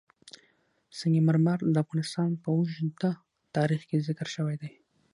سنگ مرمر د افغانستان په اوږده تاریخ کې ذکر شوی دی.